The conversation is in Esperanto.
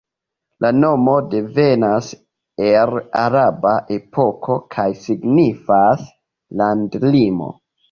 La nomo devenas el araba epoko kaj signifas "landlimo".